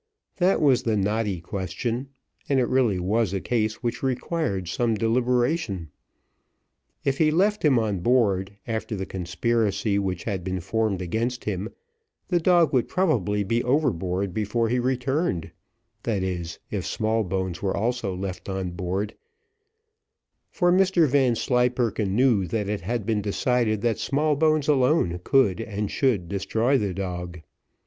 That was the knotty question, and it really was a case which required some deliberation. If he left him on board after the conspiracy which had been formed against him, the dog would probably be overboard before he returned; that is, if Smallbones were also left on board; for Mr Vanslyperken knew that it had been decided that Smallbones alone could and should destroy the dog.